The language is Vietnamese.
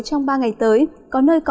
trong ba ngày tới